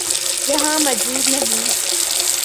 یہاں موجود نہیں۔